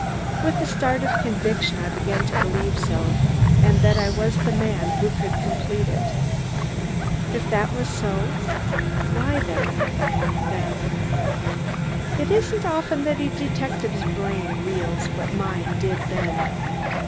With a start of conviction I began to believe so and that I was the man who could complete it. If that was so why, then then It isn't often that a detective's brain reels but mine did then.